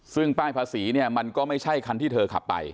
ซึ่งป้ายภาษีเนี่ยมันก็ไม่ใช่คันที่เธอขับไป